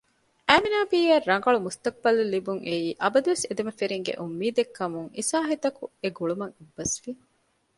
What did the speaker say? އައިމިނާބީއަށް ރަނގަޅު މުސްތަޤުބަލެއް ލިބުންއެއީ އަބަދުވެސް އެދެމަފިރިންގެ އުންމީދެއްކަމުން އިސާހިތަކު އެގުޅުމަށް އެއްބަސްވި